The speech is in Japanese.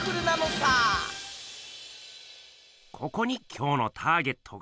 ここに今日のターゲットが。